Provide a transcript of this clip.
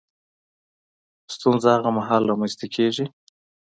ستونزه هغه مهال رامنځ ته کېږي